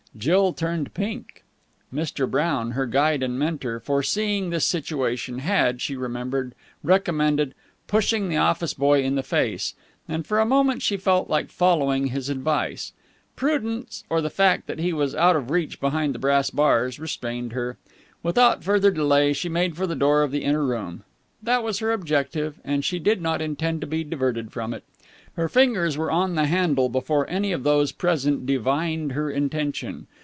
Jill turned pink. Mr. Brown, her guide and mentor, foreseeing this situation, had, she remembered, recommended "pushing the office boy in the face": and for a moment she felt like following his advice. Prudence, or the fact that he was out of reach behind the brass bars, restrained her. Without further delay she made for the door of the inner room. That was her objective, and she did not intend to be diverted from it. Her fingers were on the handle before any of those present divined her intention.